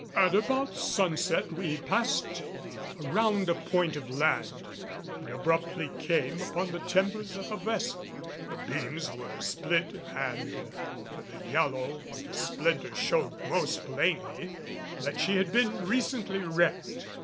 At about sunset we passed around a point of land and abruptly came upon the timbers of a vessel. The beams were split and the yellow of the splinters showed most plainly that she had been recently wrecked.